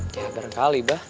ya barengkali bah